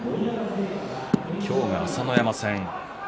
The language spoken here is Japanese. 今日が朝乃山戦。